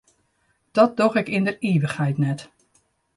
Dat doch ik yn der ivichheid net.